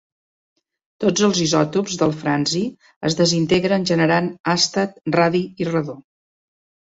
Tots els isòtops del franci es desintegren generant àstat, radi i radó.